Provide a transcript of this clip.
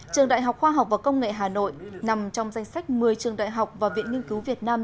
trường đại học khoa học và công nghệ hà nội nằm trong danh sách một mươi trường đại học và viện nghiên cứu việt nam